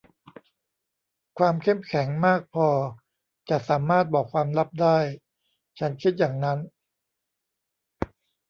ความเข้มแข็งมากพอจะสามารถบอกความลับได้ ฉันคิดอย่างนั้น